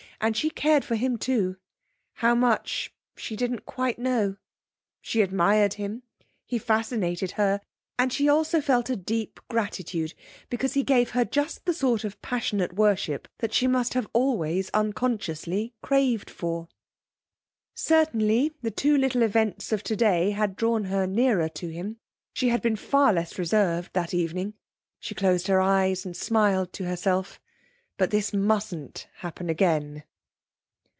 And she cared for him too; how much she didn't quite know. She admired him; he fascinated her, and she also felt a deep gratitude because he gave her just the sort of passionate worship that she must have always unconsciously craved for. Certainly the two little events of today had drawn her nearer to him. She had been far less reserved that evening. She closed her eyes and smiled to herself. But this mustn't happen again.